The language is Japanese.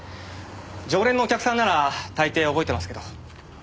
常連のお客さんなら大抵覚えてますけど。